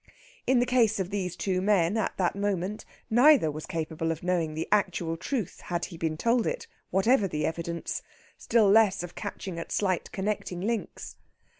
In the case of these two men, at that moment, neither was capable of knowing the actual truth had he been told it, whatever the evidence; still less of catching at slight connecting links.